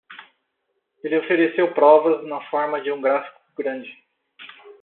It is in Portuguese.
Ele ofereceu provas na forma de um gráfico grande.